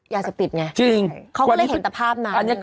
ยาเสพติดไง